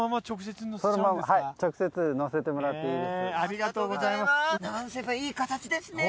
直接のせてもらっていいです。